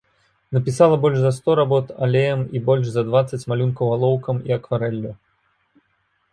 Напісала больш за сто работ алеем і больш за дваццаць малюнкаў алоўкам і акварэллю.